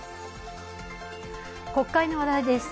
国会の話題です。